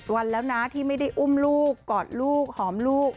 วันแล้วนะที่ไม่ได้อุ้มลูกกอดลูกหอมลูก